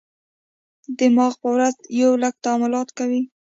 دماغ په ورځ یو لک تعاملات کوي.